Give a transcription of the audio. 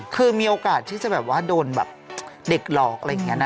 คือมีโอกาสที่จะแบบว่าโดนแบบเด็กหลอกอะไรอย่างนี้นะ